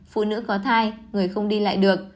phụ nữ khó thai người không đi lại được